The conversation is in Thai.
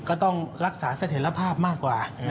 ก็ต้องรักษาเสถียรภาพมากกว่า